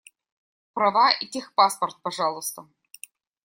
Права и техпаспорт, пожалуйста.